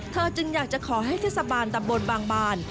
จึงอยากจะขอให้เทศบาลตำบลบางบาน